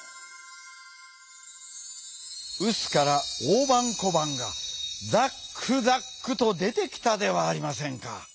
うすからおおばんこばんがザックザックとでてきたではありませんか。